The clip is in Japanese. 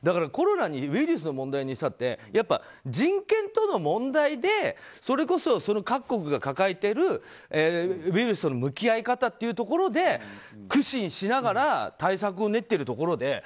コロナウイルスの問題にしたって人権との問題でそれこそ各国が抱えているウイルスとの向き合い方というところで苦心しながら対策を練っているところで。